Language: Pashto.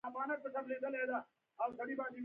د مینې ارزښت په صداقت کې دی.